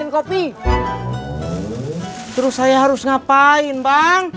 jangan ruthlessin aku